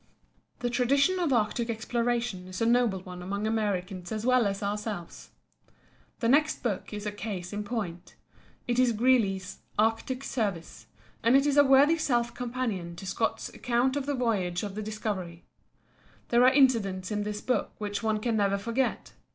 The tradition of Arctic exploration is a noble one among Americans as well as ourselves. The next book is a case in point. It is Greely's "Arctic Service," and it is a worthy shelf companion to Scott's "Account of the Voyage of the Discovery." There are incidents in this book which one can never forget.